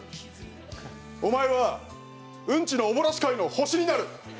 お前はウンチのお漏らし界の星になる。